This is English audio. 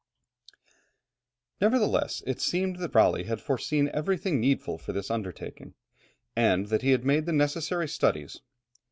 ] Nevertheless, it seemed that Raleigh had foreseen everything needful for this undertaking, and that he had made the necessary studies.